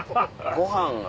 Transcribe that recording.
ご飯が。